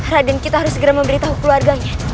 raden kita harus segera memberitahu keluarganya